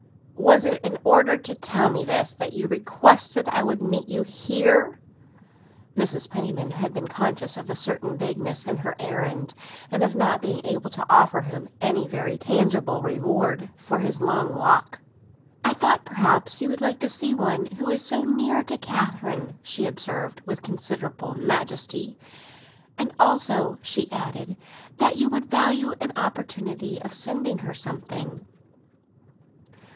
"Was it in order to tell me this that you requested I would meet you here?" Mrs. Penniman had been conscious of a certain vagueness in her errand, and of not being able to offer him any very tangible reward for his long walk. "I thought perhaps you would like to see one who is so near to Catherine," she observed, with considerable majesty. "And also," she added, "that you would value an opportunity of sending her something."